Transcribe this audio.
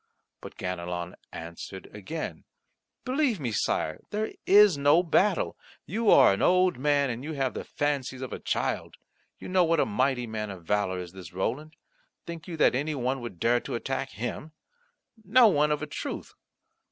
But Ganelon answered again: "Believe me, Sire, there is no battle. You are an old man, and you have the fancies of a child. You know what a mighty man of valour is this Roland. Think you that any one would dare to attack him? No one, of a truth.